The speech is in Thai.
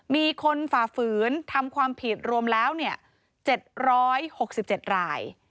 ฝ่าฝืนทำความผิดรวมแล้ว๗๖๗ราย